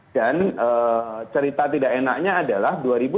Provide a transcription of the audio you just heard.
dan cerita tidak enaknya adalah